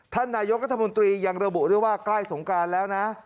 ท่านนายกรัฐมนตรียังระบุด้วยว่าใกล้สงการแล้วนะ